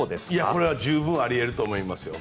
これは十分あり得ると思いますよ。